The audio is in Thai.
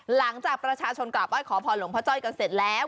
หลังจากประชาชนกราบไห้ขอพรหลวงพ่อจ้อยกันเสร็จแล้ว